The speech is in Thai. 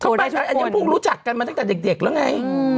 ไปอันนี้เพิ่งรู้จักกันมาตั้งแต่เด็กแล้วไง